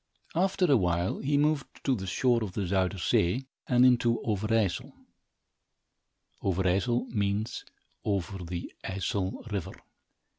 After a while, he moved to the shore of the Zuyder Zee and into Overijssel. Overijssel means over the Ijssel River.